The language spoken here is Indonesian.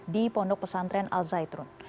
di pondok pesantren al zaitun